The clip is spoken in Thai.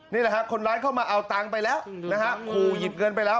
นี่แหละฮะคนร้ายเข้ามาเอาตังค์ไปแล้วนะฮะขู่หยิบเงินไปแล้ว